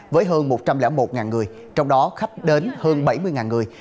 với hơn một trăm linh một người trong đó khách đến hơn bảy mươi người